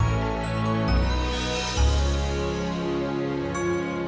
sari kata dari sdi media